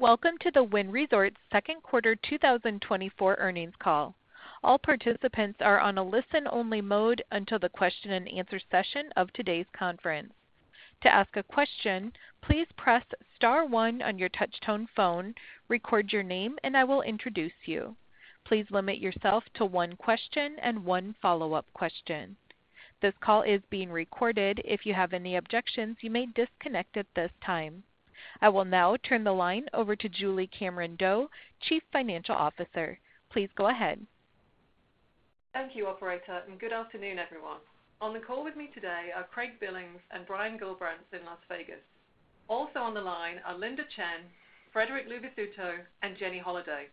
Welcome to the Wynn Resorts second quarter 2024 earnings call. All participants are on a listen-only mode until the question-and-answer session of today's conference. To ask a question, please press star one on your touch-tone phone, record your name, and I will introduce you. Please limit yourself to one question and one follow-up question. This call is being recorded. If you have any objections, you may disconnect at this time. I will now turn the line over to Julie Cameron-Doe, Chief Financial Officer. Please go ahead. Thank you, operator, and good afternoon, everyone. On the call with me today are Craig Billings and Brian Gullbrants in Las Vegas. Also on the line are Linda Chen, Frederic Luvisutto, and Jenny Holaday.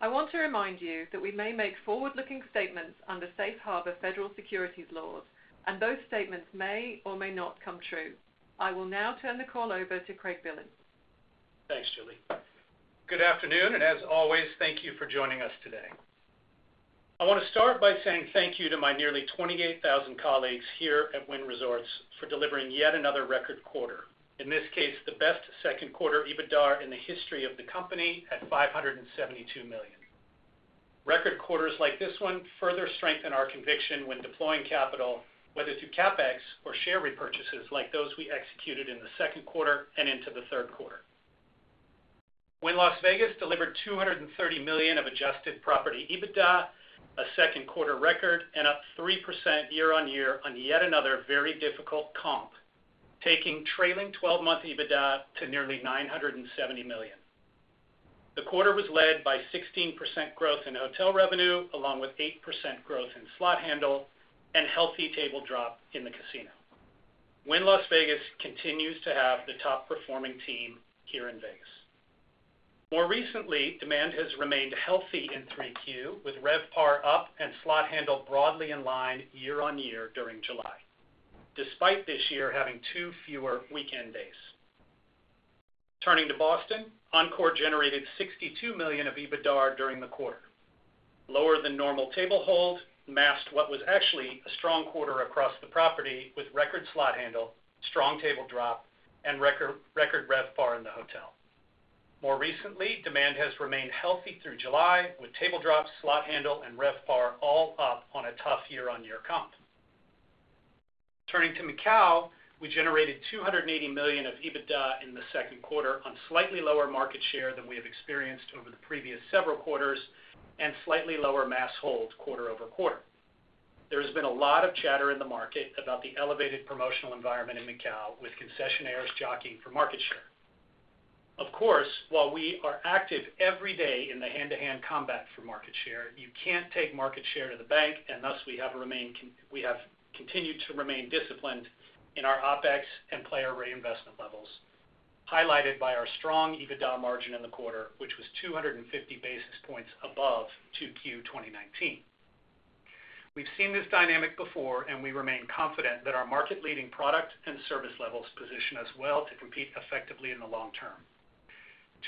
I want to remind you that we may make forward-looking statements under Safe Harbor federal securities laws, and those statements may or may not come true. I will now turn the call over to Craig Billings. Thanks, Julie. Good afternoon, and as always, thank you for joining us today. I want to start by saying thank you to my nearly 28,000 colleagues here at Wynn Resorts for delivering yet another record quarter. In this case, the best second quarter EBITDAR in the history of the company at $572 million. Record quarters like this one further strengthen our conviction when deploying capital, whether through CapEx or share repurchases, like those we executed in the second quarter and into the third quarter. Wynn Las Vegas delivered $230 million of adjusted property EBITDA, a second quarter record, and up 3% year-on-year on yet another very difficult comp, taking trailing twelve-month EBITDA to nearly $970 million. The quarter was led by 16% growth in hotel revenue, along with 8% growth in slot handle and healthy table drop in the casino. Wynn Las Vegas continues to have the top-performing team here in Vegas. More recently, demand has remained healthy in 3Q, with RevPAR up and slot handle broadly in line year-on-year during July, despite this year having two fewer weekend days. Turning to Boston, Encore generated $62 million of EBITDAR during the quarter. Lower than normal table hold masked what was actually a strong quarter across the property, with record slot handle, strong table drop, and record RevPAR in the hotel. More recently, demand has remained healthy through July, with table drops, slot handle, and RevPAR all up on a tough year-on-year comp. Turning to Macau, we generated $280 million of EBITDA in the second quarter on slightly lower market share than we have experienced over the previous several quarters and slightly lower mass hold quarter-over-quarter. There has been a lot of chatter in the market about the elevated promotional environment in Macau, with concessionaires jockeying for market share. Of course, while we are active every day in the hand-to-hand combat for market share, you can't take market share to the bank, and thus we have remained—we have continued to remain disciplined in our OpEx and player reinvestment levels, highlighted by our strong EBITDA margin in the quarter, which was 250 basis points above 2Q 2019. We've seen this dynamic before, and we remain confident that our market-leading product and service levels position us well to compete effectively in the long term.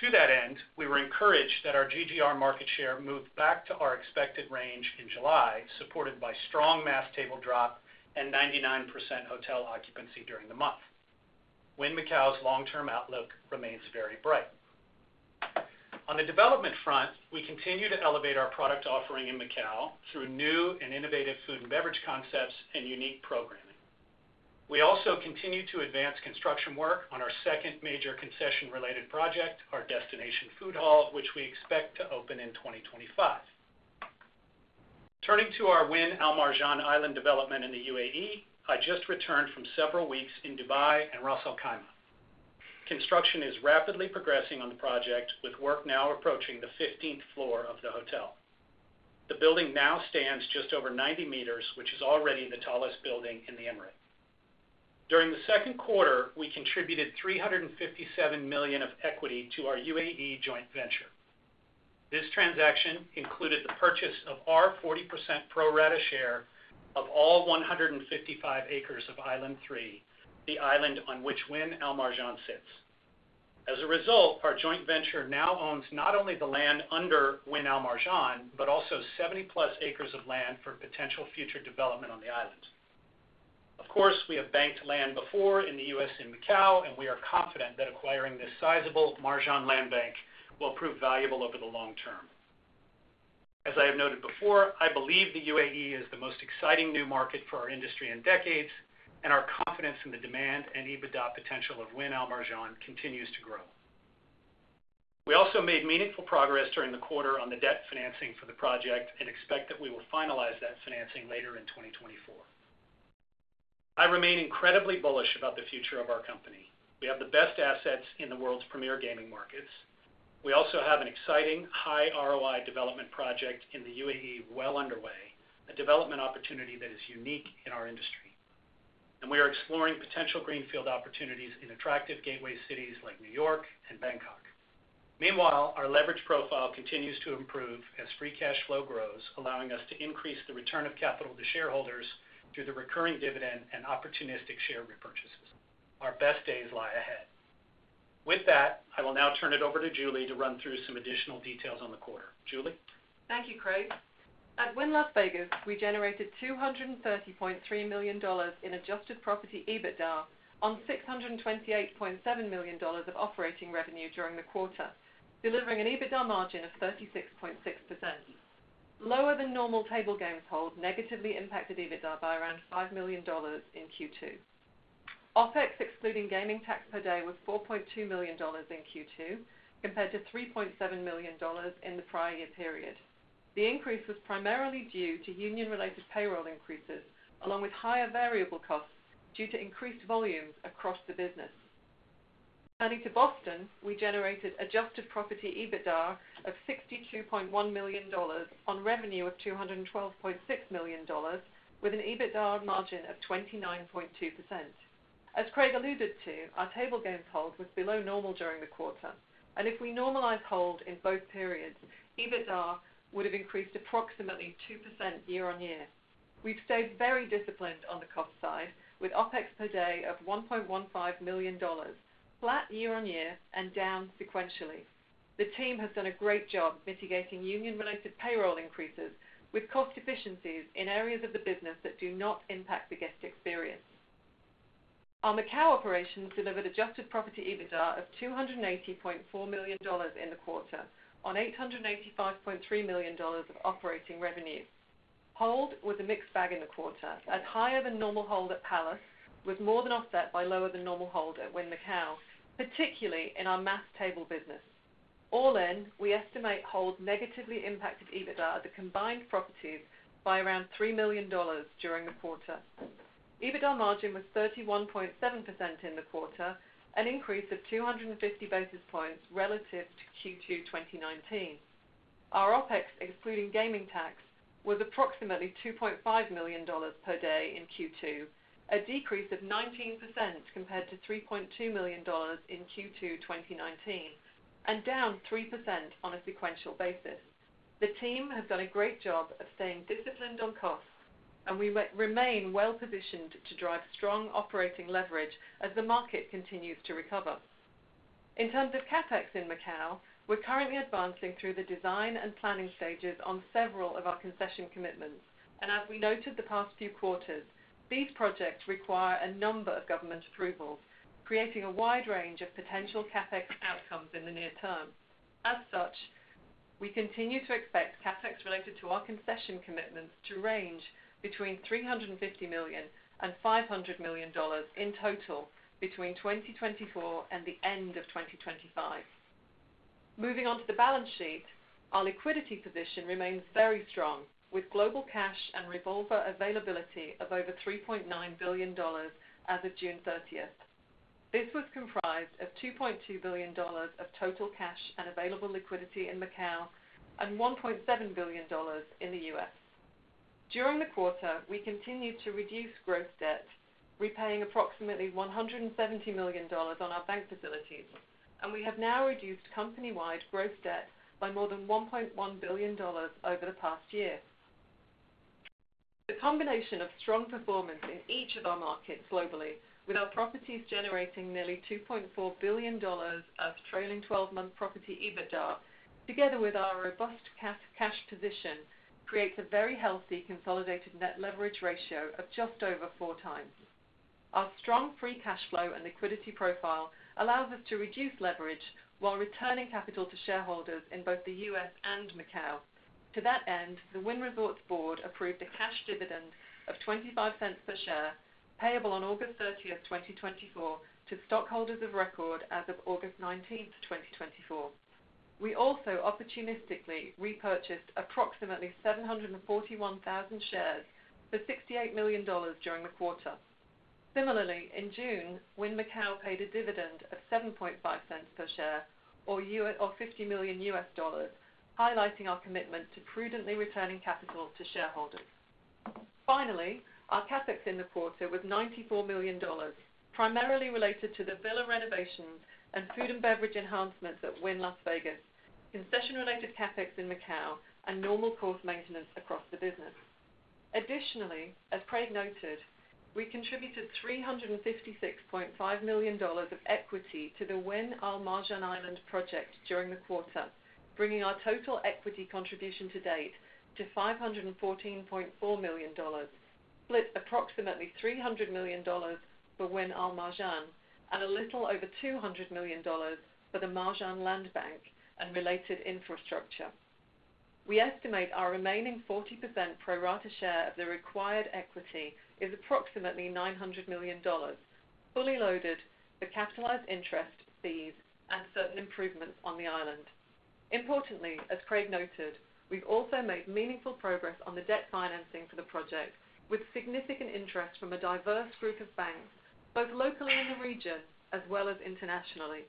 To that end, we were encouraged that our GGR market share moved back to our expected range in July, supported by strong mass table drop and 99% hotel occupancy during the month. Wynn Macau's long-term outlook remains very bright. On the development front, we continue to elevate our product offering in Macau through new and innovative food and beverage concepts and unique programming. We also continue to advance construction work on our second major concession-related project, our destination food hall, which we expect to open in 2025. Turning to our Wynn Al Marjan Island development in the UAE, I just returned from several weeks in Dubai and Ras Al Khaimah. Construction is rapidly progressing on the project, with work now approaching the 15th floor of the hotel. The building now stands just over 90 meters, which is already the tallest building in the emirate. During the second quarter, we contributed $357 million of equity to our UAE joint venture. This transaction included the purchase of our 40% pro rata share of all 155 acres of Island Three, the island on which Wynn Al Marjan sits. As a result, our joint venture now owns not only the land under Wynn Al Marjan, but also 70+ acres of land for potential future development on the islands. Of course, we have banked land before in the U.S. and Macau, and we are confident that acquiring this sizable Marjan land bank will prove valuable over the long term. As I have noted before, I believe the UAE is the most exciting new market for our industry in decades, and our confidence in the demand and EBITDA potential of Wynn Al Marjan continues to grow. We also made meaningful progress during the quarter on the debt financing for the project and expect that we will finalize that financing later in 2024. I remain incredibly bullish about the future of our company. We have the best assets in the world's premier gaming markets. We also have an exciting high ROI development project in the UAE well underway, a development opportunity that is unique in our industry. We are exploring potential greenfield opportunities in attractive gateway cities like New York and Bangkok. Meanwhile, our leverage profile continues to improve as free cash flow grows, allowing us to increase the return of capital to shareholders through the recurring dividend and opportunistic share repurchases. Our best days lie ahead. With that, I will now turn it over to Julie to run through some additional details on the quarter. Julie? Thank you, Craig. At Wynn Las Vegas, we generated $230.3 million in adjusted property EBITDA on $628.7 million of operating revenue during the quarter, delivering an EBITDA margin of 36.6%. Lower than normal table games hold negatively impacted EBITDA by around $5 million in Q2. OpEx, excluding gaming tax per day, was $4.2 million in Q2, compared to $3.7 million in the prior year period. The increase was primarily due to union-related payroll increases, along with higher variable costs due to increased volumes across the business. Turning to Boston, we generated adjusted property EBITDA of $62.1 million on revenue of $212.6 million, with an EBITDA margin of 29.2%. As Craig alluded to, our table games hold was below normal during the quarter, and if we normalize hold in both periods, EBITDA would have increased approximately 2% year-on-year. We've stayed very disciplined on the cost side, with OpEx per day of $1.15 million, flat year-on-year and down sequentially. The team has done a great job mitigating union-related payroll increases with cost efficiencies in areas of the business that do not impact the guest experience. On the Macau operations, delivered adjusted property EBITDA of $280.4 million in the quarter, on $885.3 million of operating revenue. Hold was a mixed bag in the quarter, as higher than normal hold at Palace was more than offset by lower than normal hold at Wynn Macau, particularly in our mass table business. All in, we estimate hold negatively impacted EBITDA at the combined properties by around $3 million during the quarter. EBITDA margin was 31.7% in the quarter, an increase of 250 basis points relative to Q2 2019. Our OpEx, excluding gaming tax, was approximately $2.5 million per day in Q2, a decrease of 19% compared to $3.2 million in Q2 2019, and down 3% on a sequential basis. The team has done a great job of staying disciplined on costs, and we remain well-positioned to drive strong operating leverage as the market continues to recover. In terms of CapEx in Macau, we're currently advancing through the design and planning stages on several of our concession commitments, and as we noted the past few quarters, these projects require a number of government approvals, creating a wide range of potential CapEx outcomes in the near term. As such, we continue to expect CapEx related to our concession commitments to range between $350 million and $500 million in total between 2024 and the end of 2025. Moving on to the balance sheet, our liquidity position remains very strong, with global cash and revolver availability of over $3.9 billion as of June 13th. This was comprised of $2.2 billion of total cash and available liquidity in Macau and $1.7 billion in the U.S. During the quarter, we continued to reduce gross debt, repaying approximately $170 million on our bank facilities, and we have now reduced company-wide gross debt by more than $1.1 billion over the past year. The combination of strong performance in each of our markets globally, with our properties generating nearly $2.4 billion of trailing twelve-month property EBITDA, together with our robust cash position, creates a very healthy consolidated net leverage ratio of just over four times. Our strong free cash flow and liquidity profile allows us to reduce leverage while returning capital to shareholders in both the U.S. and Macau. To that end, the Wynn Resorts Board approved a cash dividend of $0.25 per share, payable on August 30th, 2024, to stockholders of record as of August 19th, 2024. We also opportunistically repurchased approximately 741,000 shares for $68 million during the quarter. Similarly, in June, Wynn Macau paid a dividend of $0.075 per share, or $50 million, highlighting our commitment to prudently returning capital to shareholders. Finally, our CapEx in the quarter was $94 million, primarily related to the villa renovations and food and beverage enhancements at Wynn Las Vegas, concession-related CapEx in Macau, and normal course maintenance across the business. Additionally, as Craig noted, we contributed $356.5 million of equity to the Wynn Al Marjan Island project during the quarter, bringing our total equity contribution to date to $514.4 million, split approximately $300 million for Wynn Al Marjan and a little over $200 million for the Marjan Land Bank and related infrastructure. We estimate our remaining 40% pro rata share of the required equity is approximately $900 million, fully loaded for capitalized interest, fees, and certain improvements on the island. Importantly, as Craig noted, we've also made meaningful progress on the debt financing for the project, with significant interest from a diverse group of banks, both locally in the region as well as internationally.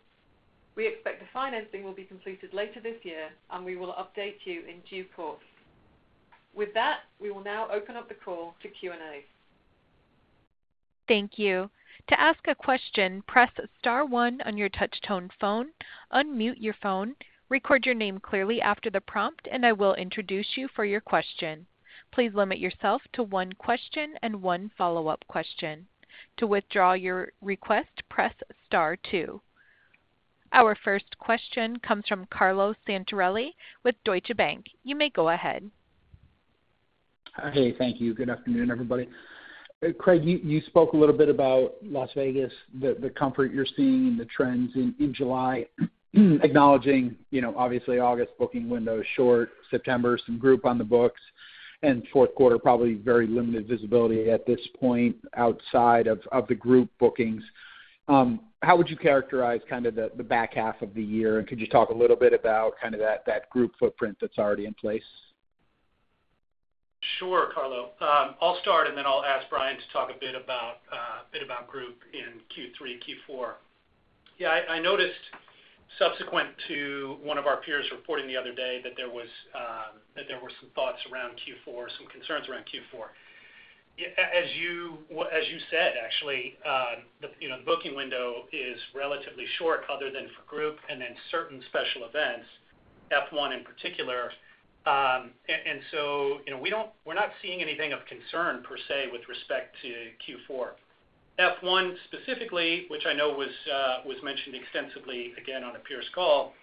We expect the financing will be completed later this year, and we will update you in due course. With that, we will now open up the call to Q&A. Thank you. To ask a question, press star one on your touch-tone phone, unmute your phone, record your name clearly after the prompt, and I will introduce you for your question. Please limit yourself to one question and one follow-up question. To withdraw your request, press star two. Our first question comes from Carlo Santarelli with Deutsche Bank. You may go ahead. Hey, thank you. Good afternoon, everybody. Craig, you spoke a little bit about Las Vegas, the comfort you're seeing and the trends in July, acknowledging, you know, obviously August booking window is short, September, some group on the books, and fourth quarter, probably very limited visibility at this point outside of the group bookings. How would you characterize kind of the back half of the year? And could you talk a little bit about kind of that group footprint that's already in place? Sure, Carlo. I'll start, and then I'll ask Brian to talk a bit about a bit about group in Q3 and Q4. Yeah, I noticed subsequent to one of our peers reporting the other day that there were some thoughts around Q4, some concerns around Q4. As you said, actually, the, you know, the booking window is relatively short other than for group and then certain special events, F1 in particular. And so, you know, we don't. We're not seeing anything of concern per se, with respect to Q4. F1 specifically, which I know was mentioned extensively again on a peers call,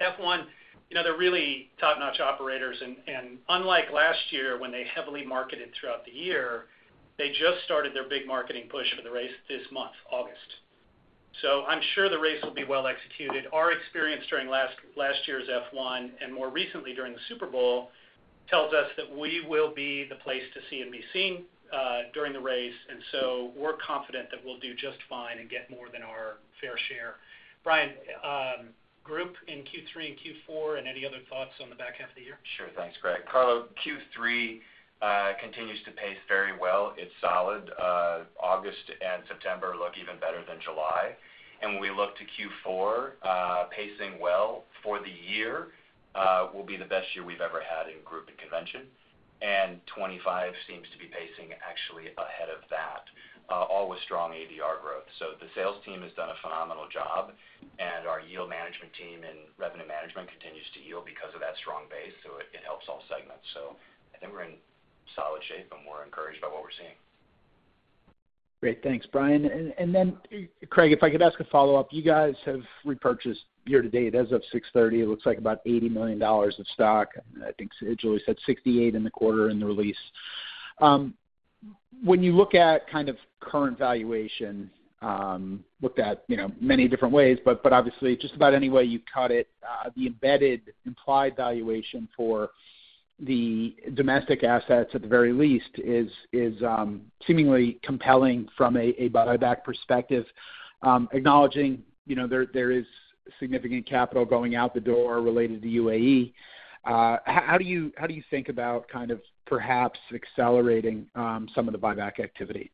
F1, you know, they're really top-notch operators, and unlike last year, when they heavily marketed throughout the year, they just started their big marketing push for the race this month, August. So I'm sure the race will be well executed. Our experience during last year's F1, and more recently during the Super Bowl, tells us that we will be the place to see and be seen during the race, and so we're confident that we'll do just fine and get more than our fair share. Brian, group in Q3 and Q4, and any other thoughts on the back half of the year? Sure. Thanks, Craig. Carlo, Q3 continues to pace very well. It's solid. August and September look even better than July. And when we look to Q4, pacing well for the year will be the best year we've ever had in group and convention. And 2025 seems to be pacing actually ahead of that, all with strong ADR growth. So the sales team has done a phenomenal job, and our yield management team and revenue management continues to yield because of that strong base, so it, it helps all segments. So I think we're in solid shape, and we're encouraged by what we're seeing. Great. Thanks, Brian. And, and then, Craig, if I could ask a follow-up, you guys have repurchased year to date as of 6/30, it looks like about $80 million of stock. I think Julie said $68 million in the quarter in the release. When you look at kind of current valuation, looked at, you know, many different ways, but, but obviously, just about any way you cut it, the embedded implied valuation for the domestic assets, at the very least, is, is, seemingly compelling from a, a buyback perspective. Acknowledging, you know, there, there is significant capital going out the door related to UAE, how do you, how do you think about kind of perhaps accelerating, some of the buyback activity?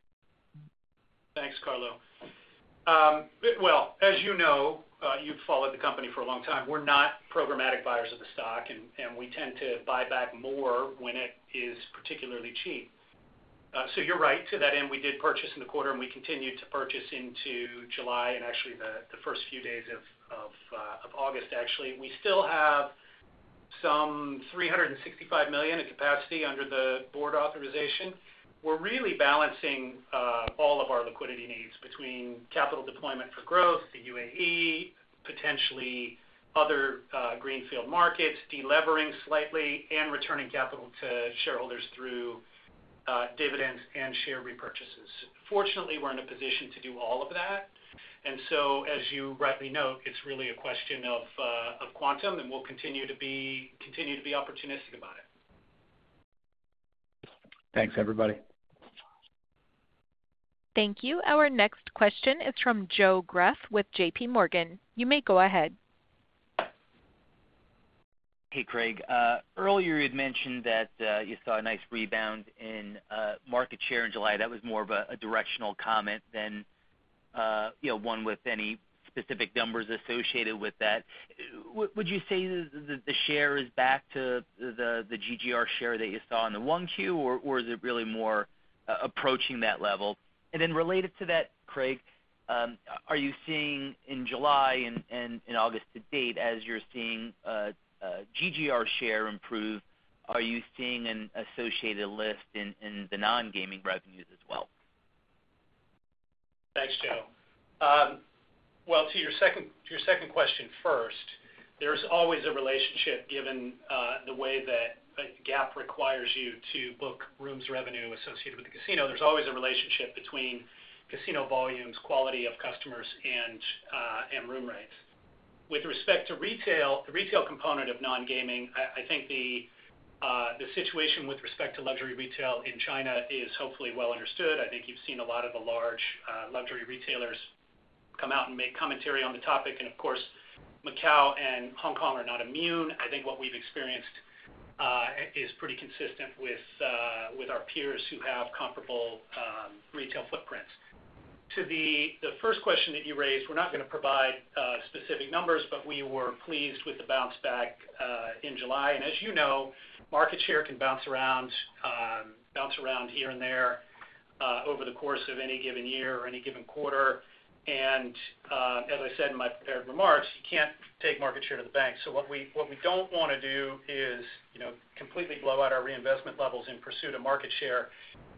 Thanks, Carlo. Well, as you know, you've followed the company for a long time, we're not programmatic buyers of the stock, and we tend to buy back more when it is particularly cheap. So you're right. To that end, we did purchase in the quarter, and we continued to purchase into July and actually the first few days of August, actually. We still have some $365 million in capacity under the board authorization. We're really balancing all of our liquidity needs between capital deployment for growth, the UAE, potentially other greenfield markets, de-levering slightly, and returning capital to shareholders through dividends and share repurchases. Fortunately, we're in a position to do all of that, and so, as you rightly note, it's really a question of of quantum, and we'll continue to be opportunistic about it. Thanks, everybody. Thank you. Our next question is from Joe Greff with J.P. Morgan. You may go ahead. Hey, Craig. Earlier, you'd mentioned that you saw a nice rebound in market share in July. That was more of a directional comment than, you know, one with any specific numbers associated with that. Would you say the share is back to the GGR share that you saw in the 1Q, or is it really more approaching that level? And then related to that, Craig, are you seeing in July and in August to date, as you're seeing GGR share improve, are you seeing an associated lift in the non-gaming revenues as well? Thanks, Joe. Well, to your second question first, there's always a relationship given the way that GAAP requires you to book rooms revenue associated with the casino. There's always a relationship between casino volumes, quality of customers, and room rates. With respect to retail, the retail component of non-gaming, I think the situation with respect to luxury retail in China is hopefully well understood. I think you've seen a lot of the large luxury retailers come out and make commentary on the topic, and of course, Macau and Hong Kong are not immune. I think what we've experienced is pretty consistent with our peers who have comparable retail footprints. To the first question that you raised, we're not gonna provide specific numbers, but we were pleased with the bounce back in July. And as you know, market share can bounce around, bounce around here and there, over the course of any given year or any given quarter. And as I said in my prepared remarks, you can't take market share to the bank. So what we don't wanna do is, you know, completely blow out our reinvestment levels in pursuit of market share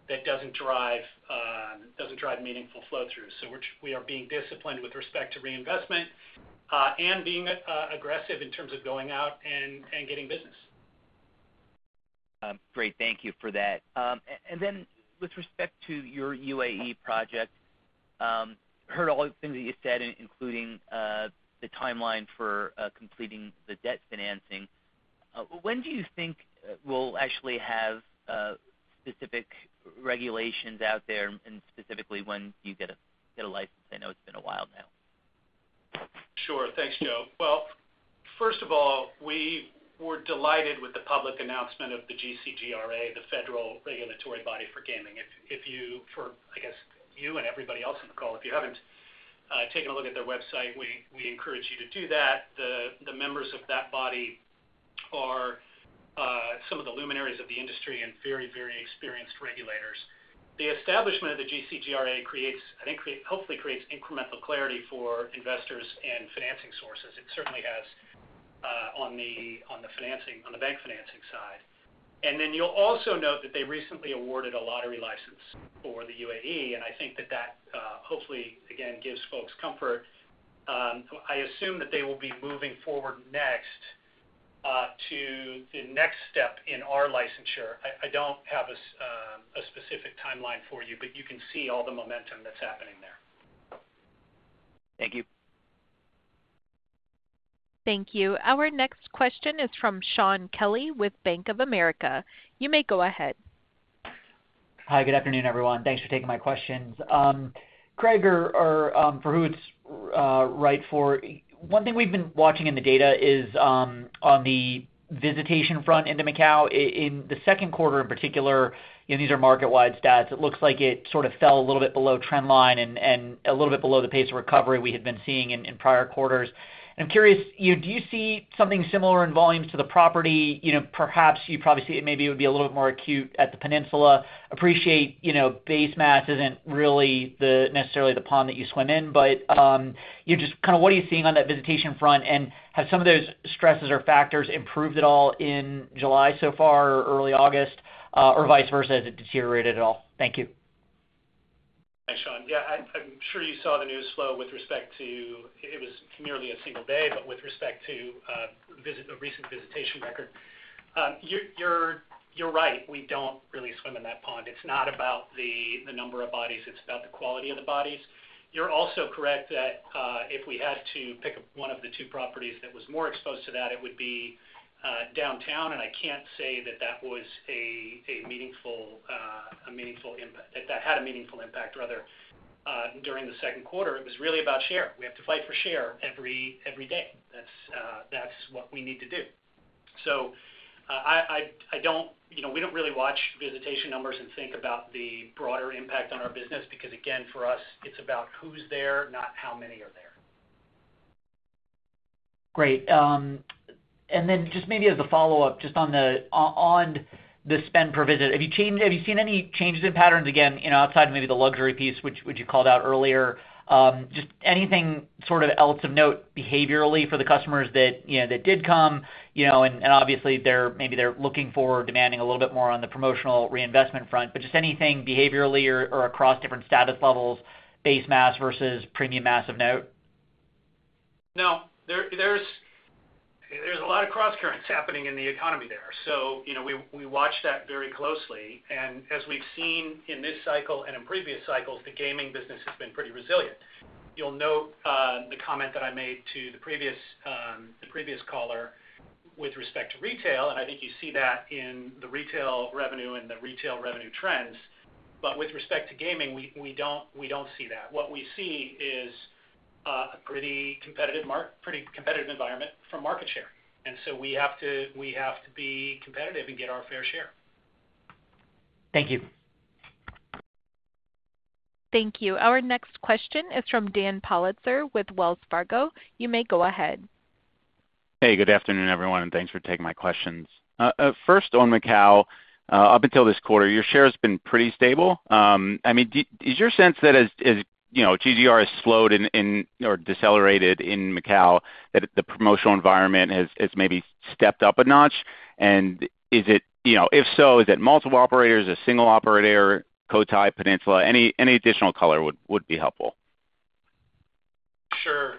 that doesn't drive meaningful flow-through. So which we are being disciplined with respect to reinvestment and being aggressive in terms of going out and getting business. Great. Thank you for that. And then with respect to your UAE project, heard all the things that you said, including the timeline for completing the debt financing. When do you think we'll actually have specific regulations out there, and specifically, when do you get a license? I know it's been a while now. Sure. Thanks, Joe. Well, first of all, we were delighted with the public announcement of the GCGRA, the federal regulatory body for gaming. If you for, I guess, you and everybody else on the call, if you haven't taken a look at their website, we encourage you to do that. The members of that body are some of the luminaries of the industry and very, very experienced regulators. The establishment of the GCGRA creates, I think, hopefully creates incremental clarity for investors and financing sources. It certainly has on the financing, on the bank financing side. And then you'll also note that they recently awarded a lottery license for the UAE, and I think that hopefully, again, gives folks comfort. I assume that they will be moving forward next to the next step in our licensure. I don't have a specific timeline for you, but you can see all the momentum that's happening there. Thank you. Thank you. Our next question is from Shaun Kelley with Bank of America. You may go ahead. Hi, good afternoon, everyone. Thanks for taking my questions. Craig, for who it's right for, one thing we've been watching in the data is on the visitation front into Macau. In the second quarter, in particular, and these are market-wide stats, it looks like it sort of fell a little bit below trend line and a little bit below the pace of recovery we had been seeing in prior quarters. I'm curious, you know, do you see something similar in volumes to the property? You know, perhaps you probably see it, maybe it would be a little bit more acute at the Peninsula. Appreciate, you know, base mass isn't really necessarily the pond that you swim in, but, you know, just kind of what are you seeing on that visitation front? Have some of those stresses or factors improved at all in July so far or early August, or vice versa, has it deteriorated at all? Thank you. Thanks, Shaun. Yeah, I'm sure you saw the news flow with respect to the recent visitation record. You're right, we don't really swim in that pond. It's not about the number of bodies, it's about the quality of the bodies. You're also correct that if we had to pick up one of the two properties that was more exposed to that, it would be downtown, and I can't say that that had a meaningful impact, rather, during the second quarter. It was really about share. We have to fight for share every day. That's what we need to do. So, I don't... You know, we don't really watch visitation numbers and think about the broader impact on our business, because, again, for us, it's about who's there, not how many are there. Great, and then just maybe as a follow-up, just on the spend per visit, have you seen any changes in patterns, again, you know, outside of maybe the luxury piece, which, which you called out earlier? Just anything sort of else of note behaviorally for the customers that, you know, that did come, you know, and, and obviously they're, maybe they're looking for or demanding a little bit more on the promotional reinvestment front, but just anything behaviorally or, or across different status levels, base mass versus premium mass of note? No. There's a lot of crosscurrents happening in the economy there, so you know, we watch that very closely. And as we've seen in this cycle and in previous cycles, the gaming business has been pretty resilient. You'll note the comment that I made to the previous caller with respect to retail, and I think you see that in the retail revenue and the retail revenue trends. But with respect to gaming, we don't see that. What we see is a pretty competitive environment for market share, and so we have to be competitive and get our fair share. Thank you. Thank you. Our next question is from Daniel Politzer with Wells Fargo. You may go ahead. Hey, good afternoon, everyone, and thanks for taking my questions. First, on Macau, up until this quarter, your share has been pretty stable. I mean, is your sense that as, you know, GGR has slowed in or decelerated in Macau, that the promotional environment has maybe stepped up a notch? And is it... You know, if so, is it multiple operators, a single operator, Cotai Peninsula? Any additional color would be helpful. Sure.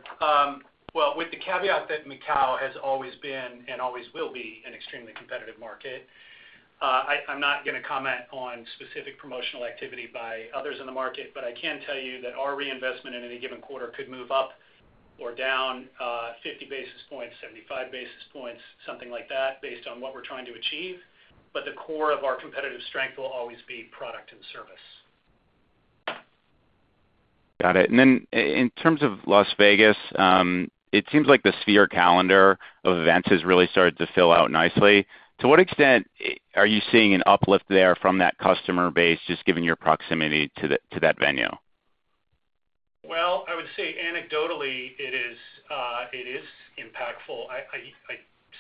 Well, with the caveat that Macau has always been, and always will be, an extremely competitive market. I'm not gonna comment on specific promotional activity by others in the market, but I can tell you that our reinvestment in any given quarter could move up or down, 50 basis points, 75 basis points, something like that, based on what we're trying to achieve, but the core of our competitive strength will always be product and service. Got it. And then in terms of Las Vegas, it seems like the Sphere calendar of events has really started to fill out nicely. To what extent are you seeing an uplift there from that customer base, just given your proximity to that venue? Well, I would say anecdotally, it is impactful. I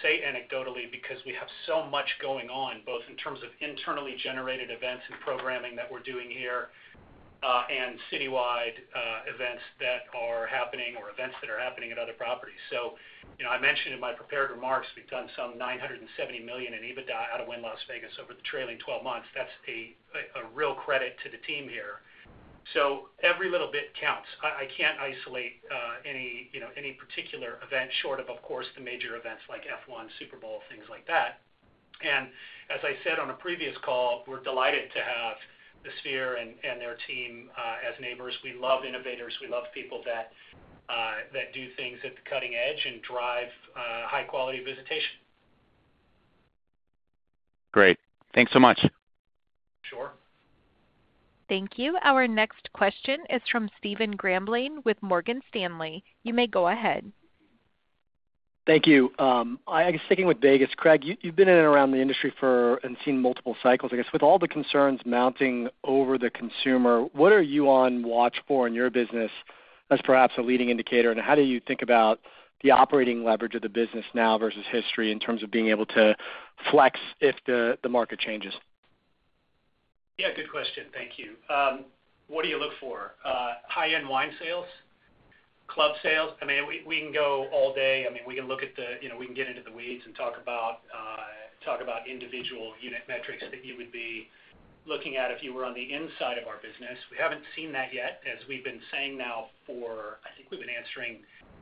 say anecdotally because we have so much going on, both in terms of internally generated events and programming that we're doing here, and citywide events that are happening or events that are happening at other properties. So, you know, I mentioned in my prepared remarks, we've done some $970 million in EBITDA out of Wynn Las Vegas over the trailing twelve months. That's a real credit to the team here. So every little bit counts. I can't isolate any, you know, any particular event short of, of course, the major events like F1, Super Bowl, things like that. And as I said on a previous call, we're delighted to have the Sphere and their team as neighbors. We love innovators. We love people that do things at the cutting edge and drive high quality visitation. Great. Thanks so much. Sure. Thank you. Our next question is from Stephen Grambling with Morgan Stanley. You may go ahead. Thank you. I guess, sticking with Vegas, Craig, you've been in and around the industry for and seen multiple cycles. I guess, with all the concerns mounting over the consumer, what are you on watch for in your business as perhaps a leading indicator? And how do you think about the operating leverage of the business now versus history in terms of being able to flex if the market changes? Yeah, good question. Thank you. What do you look for? High-end wine sales, club sales. I mean, we, we can go all day. I mean, we can look at the, you know, we can get into the weeds and talk about individual unit metrics that you would be looking at if you were on the inside of our business. We haven't seen that yet, as we've been saying now for, I think we've been answering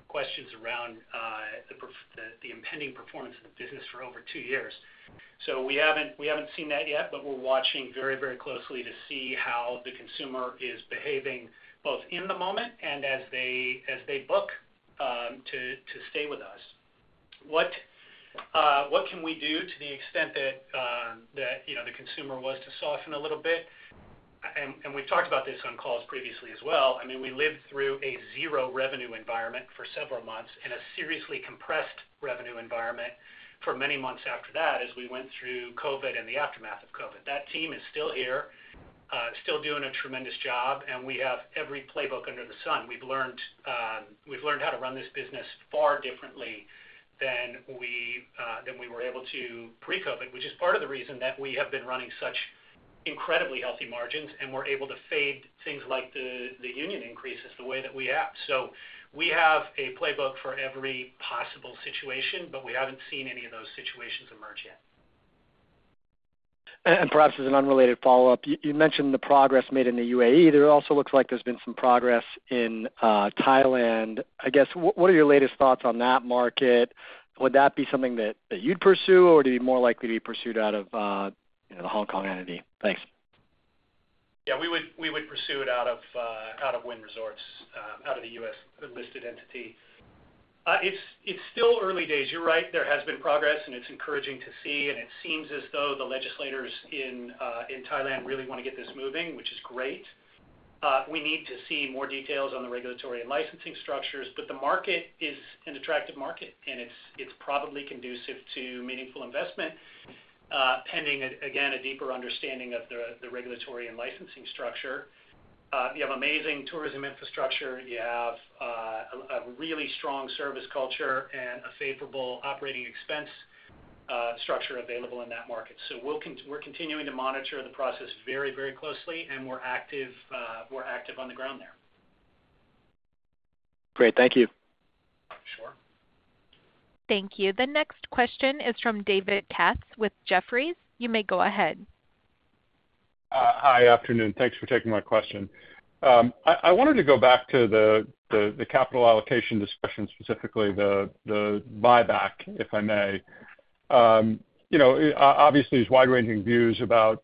questions around the impending performance of the business for over two years. So we haven't, we haven't seen that yet, but we're watching very, very closely to see how the consumer is behaving, both in the moment and as they, as they book to stay with us. What, what can we do to the extent that, that, you know, the consumer was to soften a little bit? And we've talked about this on calls previously as well. I mean, we lived through a zero revenue environment for several months in a seriously compressed revenue environment for many months after that, as we went through COVID and the aftermath of COVID. That team is still here, still doing a tremendous job, and we have every playbook under the sun. We've learned, we've learned how to run this business far differently than we, than we were able to pre-COVID, which is part of the reason that we have been running such incredibly healthy margins, and we're able to fade things like the, the union increases the way that we have. So we have a playbook for every possible situation, but we haven't seen any of those situations emerge yet. Perhaps as an unrelated follow-up, you mentioned the progress made in the UAE. There also looks like there's been some progress in Thailand. I guess, what are your latest thoughts on that market? Would that be something that you'd pursue, or would it be more likely to be pursued out of, you know, the Hong Kong entity? Thanks. Yeah, we would pursue it out of Wynn Resorts, out of the U.S. listed entity. It's still early days. You're right, there has been progress, and it's encouraging to see, and it seems as though the legislators in Thailand really want to get this moving, which is great. We need to see more details on the regulatory and licensing structures, but the market is an attractive market, and it's probably conducive to meaningful investment, pending again a deeper understanding of the regulatory and licensing structure. You have amazing tourism infrastructure. You have a really strong service culture and a favorable operating expense structure available in that market. So we're continuing to monitor the process very, very closely, and we're active on the ground there. Great. Thank you. Sure. Thank you. The next question is from David Katz with Jefferies. You may go ahead. Hi, afternoon. Thanks for taking my question. I wanted to go back to the capital allocation discussion, specifically the buyback, if I may. You know, obviously, there's wide-ranging views about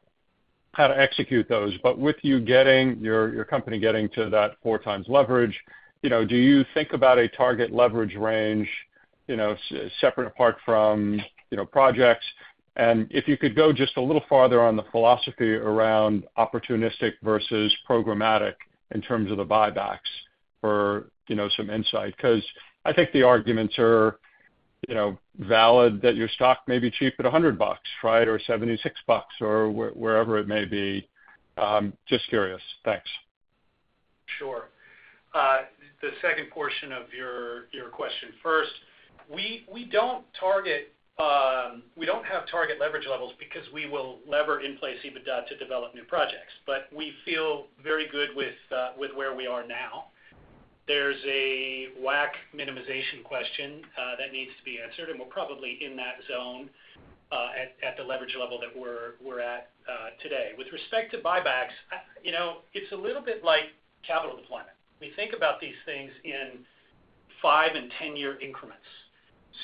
how to execute those, but with you getting—your company getting to that 4x leverage, you know, do you think about a target leverage range, you know, separate apart from, you know, projects? And if you could go just a little farther on the philosophy around opportunistic versus programmatic in terms of the buybacks for, you know, some insight. 'Cause I think the arguments are, you know, valid, that your stock may be cheap at $100, right? Or $76, or wherever it may be. Just curious. Thanks. Sure. The second portion of your question first. We don't target, we don't have target leverage levels because we will lever in-place EBITDA to develop new projects, but we feel very good with, with where we are now. There's a WACC minimization question, that needs to be answered, and we're probably in that zone, at the leverage level that we're at, today. With respect to buybacks, you know, it's a little bit like capital deployment. We think about these things in five- and 10-year increments.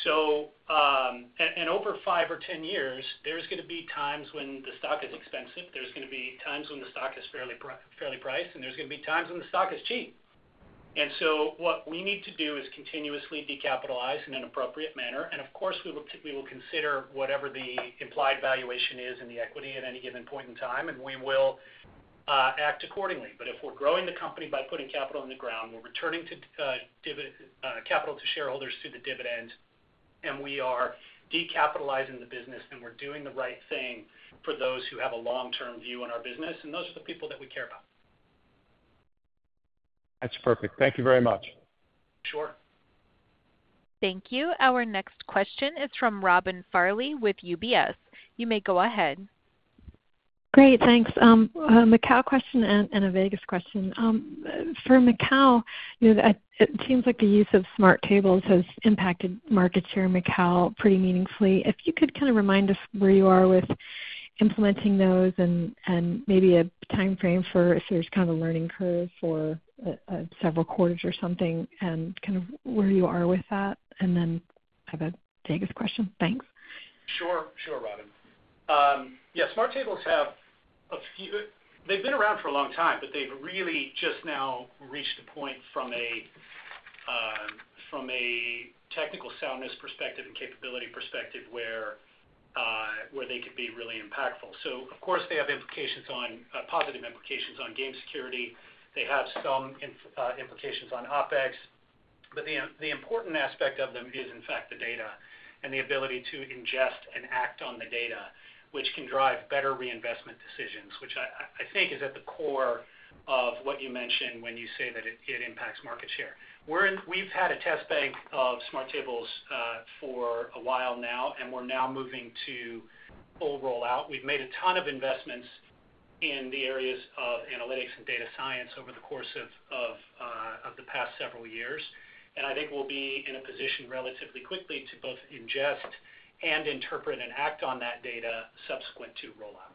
So, and over five or 10 years, there's gonna be times when the stock is expensive, there's gonna be times when the stock is fairly priced, and there's gonna be times when the stock is cheap. What we need to do is continuously decapitalize in an appropriate manner, and of course, we will consider whatever the implied valuation is in the equity at any given point in time, and we will act accordingly. If we're growing the company by putting capital in the ground, we're returning capital to shareholders through the dividend, and we are decapitalizing the business, then we're doing the right thing for those who have a long-term view on our business, and those are the people that we care about. That's perfect. Thank you very much. Sure. Thank you. Our next question is from Robin Farley with UBS. You may go ahead. Great, thanks. A Macau question and a Vegas question. For Macau, you know, it seems like the use of smart tables has impacted market share in Macau pretty meaningfully. If you could kind of remind us where you are with implementing those and maybe a time frame for if there's kind of a learning curve for several quarters or something, and kind of where you are with that, and then I have a Vegas question. Thanks. Sure. Sure, Robin. Yeah, smart tables have a few... They've been around for a long time, but they've really just now reached a point from a technical soundness perspective and capability perspective where they could be really impactful. So of course, they have implications on positive implications on game security. They have some implications on OpEx. But the important aspect of them is, in fact, the data and the ability to ingest and act on the data, which can drive better reinvestment decisions, which I think is at the core of what you mentioned when you say that it impacts market share. We've had a test bank of smart tables for a while now, and we're now moving to full rollout. We've made a ton of investments in the areas of analytics and data science over the course of the past several years. And I think we'll be in a position relatively quickly to both ingest and interpret and act on that data subsequent to rollout.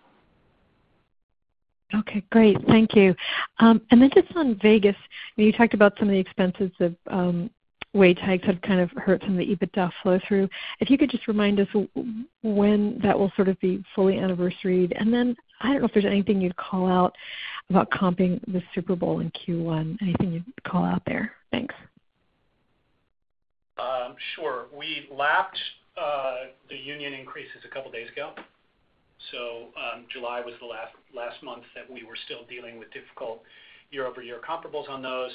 Okay, great. Thank you. And then just on Vegas, you talked about some of the expenses of wage hikes have kind of hurt some of the EBITDA flow through. If you could just remind us when that will sort of be fully anniversaried, and then I don't know if there's anything you'd call out about comping the Super Bowl in Q1, anything you'd call out there? Thanks. Sure. We lapped the union increases a couple of days ago, so July was the last month that we were still dealing with difficult year-over-year comparables on those.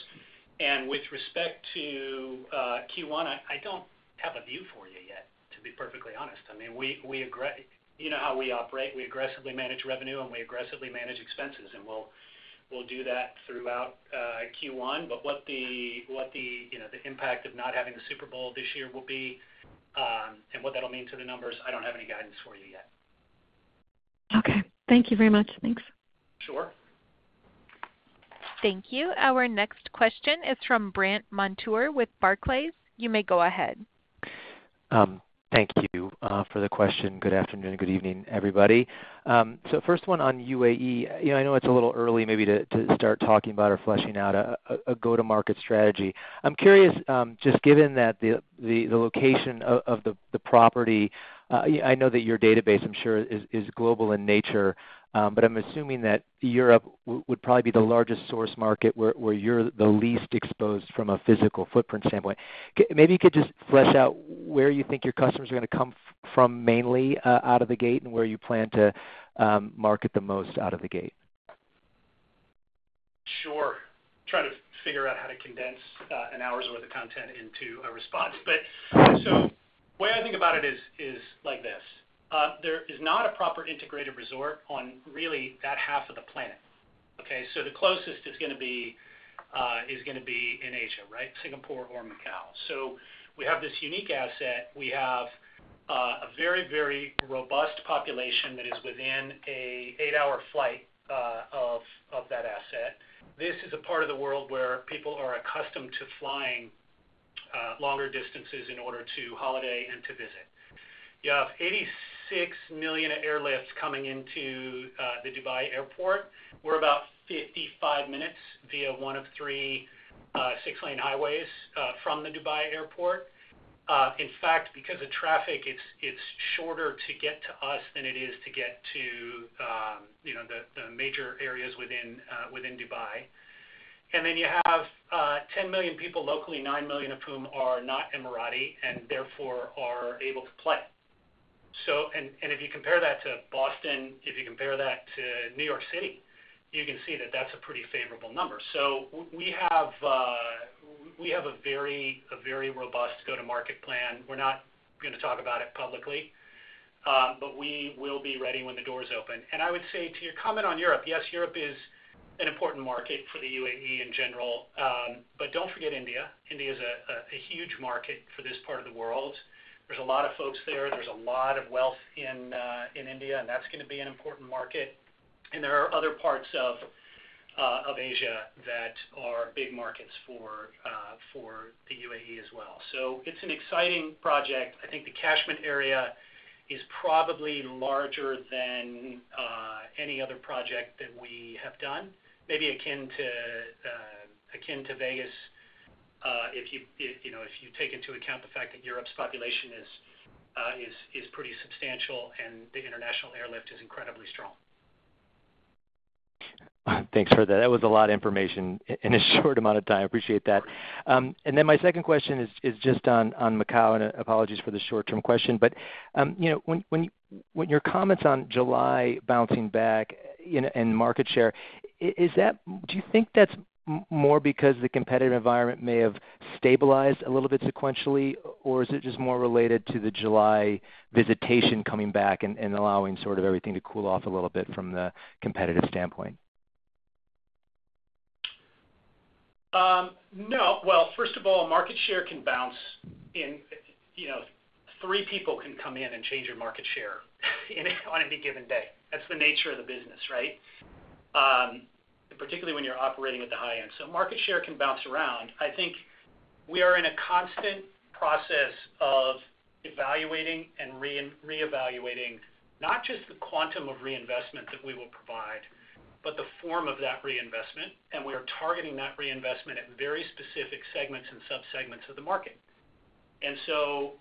And with respect to Q1, I don't have a view for you yet, to be perfectly honest. I mean, you know how we operate, we aggressively manage revenue, and we aggressively manage expenses, and we'll do that throughout Q1. But what the, you know, the impact of not having the Super Bowl this year will be, and what that'll mean to the numbers, I don't have any guidance for you yet. Okay. Thank you very much. Thanks. Sure. Thank you. Our next question is from Brandt Montour with Barclays. You may go ahead. Thank you for the question. Good afternoon and good evening, everybody. So first one on UAE. You know, I know it's a little early maybe to start talking about or fleshing out a go-to-market strategy. I'm curious, just given that the location of the property. I know that your database, I'm sure, is global in nature, but I'm assuming that Europe would probably be the largest source market where you're the least exposed from a physical footprint standpoint. Maybe you could just flesh out where you think your customers are gonna come from mainly, out of the gate, and where you plan to market the most out of the gate. Sure. Try to figure out how to condense an hour's worth of content into a response. But so the way I think about it is like this: there is not a proper integrated resort on really that half of the planet, okay? So the closest is gonna be in Asia, right? Singapore or Macau. So we have this unique asset. We have a very, very robust population that is within an eight-hour flight of that asset. This is a part of the world where people are accustomed to flying longer distances in order to holiday and to visit. You have 86 million airlifts coming into the Dubai Airport. We're about 55 minutes via one of three 6-lane highways from the Dubai Airport. In fact, because of traffic, it's shorter to get to us than it is to get to the major areas within Dubai. And then you have 10 million people locally, 9 million of whom are not Emirati, and therefore are able to play. So if you compare that to Boston, if you compare that to New York City, you can see that that's a pretty favorable number. So we have a very robust go-to-market plan. We're not gonna talk about it publicly, but we will be ready when the doors open. And I would say to your comment on Europe, yes, Europe is an important market for the UAE in general, but don't forget India. India is a huge market for this part of the world. There's a lot of folks there. There's a lot of wealth in India, and that's gonna be an important market. And there are other parts of Asia that are big markets for the UAE as well. So it's an exciting project. I think the catchment area is probably larger than any other project that we have done, maybe akin to Vegas, if you know, if you take into account the fact that Europe's population is pretty substantial and the international airlift is incredibly strong. Thanks for that. That was a lot of information in a short amount of time. I appreciate that. And then my second question is just on Macau, and apologies for the short-term question, but you know, when your comments on July bouncing back, you know, and market share, is that—do you think that's more because the competitive environment may have stabilized a little bit sequentially, or is it just more related to the July visitation coming back and allowing sort of everything to cool off a little bit from the competitive standpoint? No. Well, first of all, market share can bounce in, you know, three people can come in and change your market share in, on any given day. That's the nature of the business, right? Particularly when you're operating at the high end. So market share can bounce around. I think we are in a constant process of evaluating and reevaluating not just the quantum of reinvestment that we will provide, but the form of that reinvestment, and we are targeting that reinvestment at very specific segments and subsegments of the market. And so,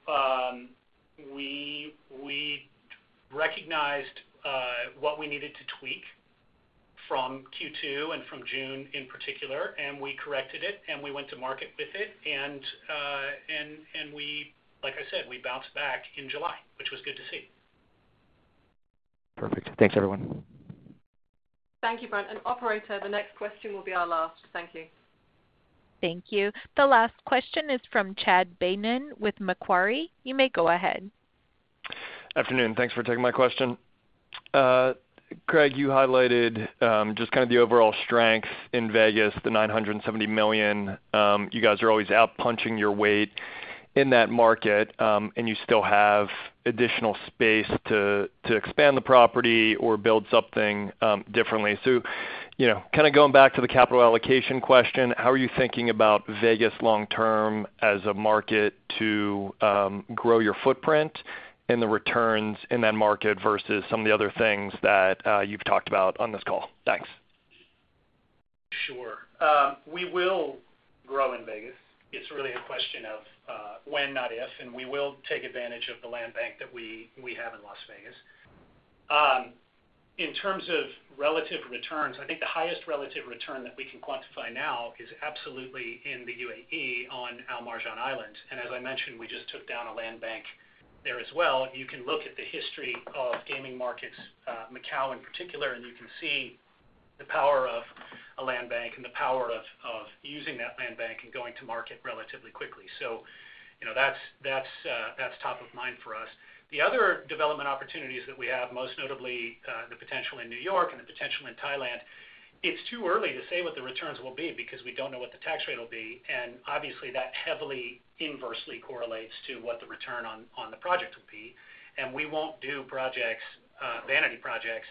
we recognized what we needed to tweak from Q2 and from June, in particular, and we corrected it, and we went to market with it. And, and we, like I said, we bounced back in July, which was good to see. Perfect. Thanks, everyone. Thank you, Brandt. Operator, the next question will be our last. Thank you. Thank you. The last question is from Chad Beynon with Macquarie. You may go ahead. Afternoon. Thanks for taking my question. Craig, you highlighted just kind of the overall strength in Vegas, the $970 million. You guys are always out punching your weight in that market, and you still have additional space to expand the property or build something differently. So, you know, kind of going back to the capital allocation question, how are you thinking about Vegas long term as a market to grow your footprint and the returns in that market versus some of the other things that you've talked about on this call? Thanks. Sure. We will grow in Vegas. It's really a question of, when, not if, and we will take advantage of the land bank that we, we have in Las Vegas. In terms of relative returns, I think the highest relative return that we can quantify now is absolutely in the UAE on Al Marjan Island. And as I mentioned, we just took down a land bank there as well. You can look at the history of gaming markets, Macau in particular, and you can see the power of a land bank and the power of, of using that land bank and going to market relatively quickly. So, you know, that's, that's, that's top of mind for us. The other development opportunities that we have, most notably, the potential in New York and the potential in Thailand, it's too early to say what the returns will be because we don't know what the tax rate will be, and obviously, that heavily inversely correlates to what the return on, on the project will be. We won't do projects, vanity projects,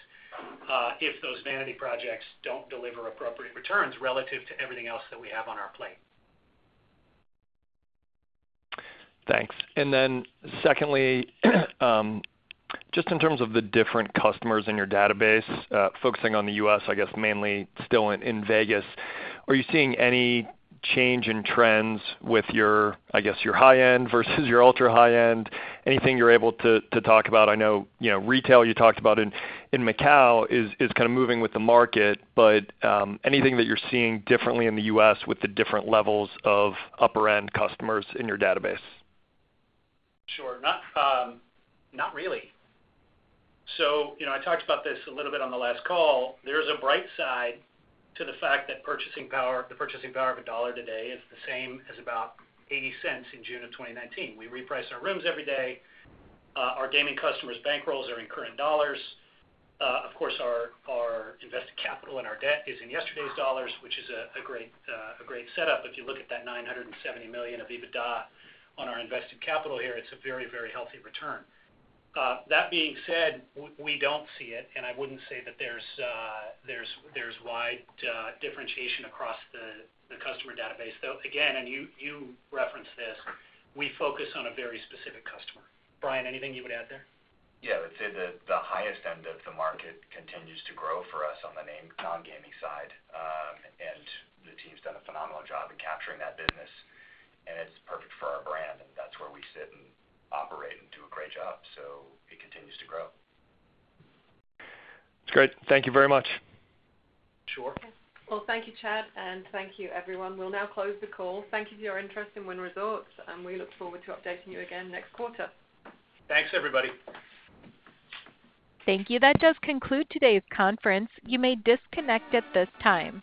if those vanity projects don't deliver appropriate returns relative to everything else that we have on our plate. Thanks. And then secondly, just in terms of the different customers in your database, focusing on the U.S., I guess, mainly still in Vegas, are you seeing any change in trends with your, I guess, your high end versus your ultra high end? Anything you're able to talk about? I know, you know, retail, you talked about in Macau, is kind of moving with the market, but anything that you're seeing differently in the U.S. with the different levels of upper-end customers in your database? Sure. Not, not really. So, you know, I talked about this a little bit on the last call. There's a bright side to the fact that purchasing power, the purchasing power of a dollar today is the same as about $0.80 in June of 2019. We reprice our rooms every day. Our gaming customers' bankrolls are in current dollars. Of course, our invested capital and our debt is in yesterday's dollars, which is a great setup. If you look at that $970 million of EBITDA on our invested capital here, it's a very, very healthy return. That being said, we don't see it, and I wouldn't say that there's wide differentiation across the customer database. Though, again, and you referenced this, we focus on a very specific customer. Brian, anything you would add there? Yeah. I'd say that the highest end of the market continues to grow for us on the non-gaming side. The team's done a phenomenal job in capturing that business, and it's perfect for our brand, and that's where we sit and operate and do a great job, so it continues to grow. It's great. Thank you very much. Sure. Well, thank you, Chad, and thank you, everyone. We'll now close the call. Thank you for your interest in Wynn Resorts, and we look forward to updating you again next quarter. Thanks, everybody. Thank you. That does conclude today's conference. You may disconnect at this time.